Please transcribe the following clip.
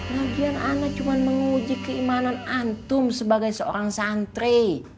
lagian anak cuma menguji keimanan antum sebagai seorang santri